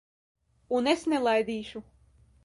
Un es nelaidīšu.